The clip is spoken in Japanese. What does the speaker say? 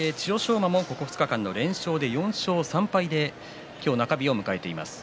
馬もここ２日間の連勝で４勝３敗で今日の中日を迎えています。